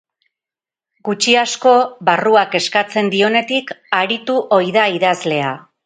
Gutxi-asko, barruak eskatzen dionetik aritu ohi da idazlea.